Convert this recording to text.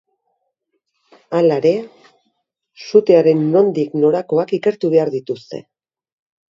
Hala ere, sutearen nondik norakoak ikertu behar dituzte.